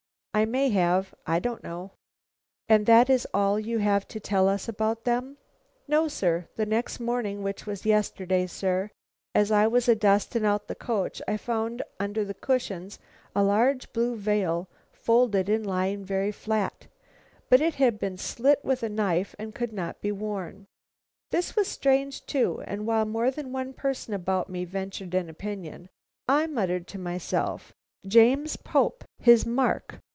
"I may have. I don't know." "And that is all you have to tell us about them?" "No, sir; the next morning, which was yesterday, sir, as I was a dusting out the coach I found under the cushions a large blue veil, folded and lying very flat. But it had been slit with a knife and could not be worn." This was strange too, and while more than one person about me ventured an opinion, I muttered to myself, "James Pope, his mark!"